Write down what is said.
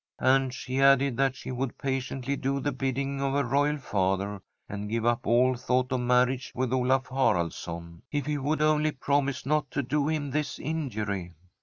'And she added that she would patiently do the bidding of her royal father, and give up all thought of marriage with Olaf Haraldsson, if he would only promise not to do him this injury.